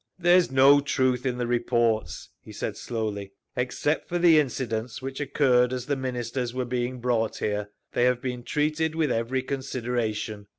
"There is no truth in the reports," he said slowly. "Except for the incidents which occurred as the Ministers were being brought here, they have been treated with every consideration.